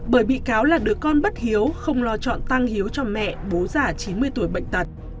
bởi bị cáo là đứa con bất hiếu không lo chọn tăng hiếu cho mẹ bố già chín mươi tuổi bệnh tật